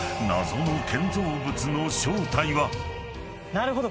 なるほど。